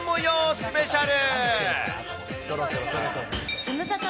スペシャル。